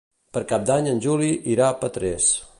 Per Cap d'Any en Juli irà a Petrés.